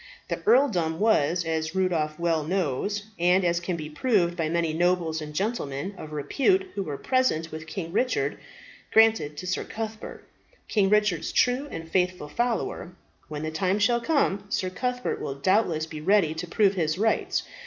The earldom was, as Rudolph well knows, and as can be proved by many nobles and gentlemen of repute who were present with King Richard, granted to Sir Cuthbert, King Richard's true and faithful follower. When the time shall come, Sir Cuthbert will doubtless be ready to prove his rights.